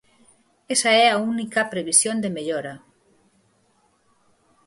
Esa é a única previsión de mellora.